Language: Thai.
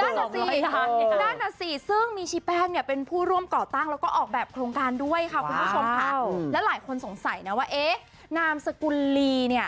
น่าจะสิซึ่งมีชิแปงเป็นผู้ร่วมเกาะตั้งแล้วก็ออกแบบโครงการด้วยค่ะว่าซ่อนสงสัยนะว่าเอ๊ะน้ำสกุลลีเนี่ย